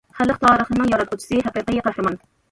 خەلق تارىخنىڭ ياراتقۇچىسى، ھەقىقىي قەھرىمان.